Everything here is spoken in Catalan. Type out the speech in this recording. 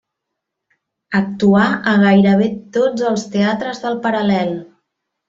Actuà a gairebé tots els teatres del Paral·lel.